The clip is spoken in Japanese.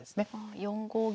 ああ４五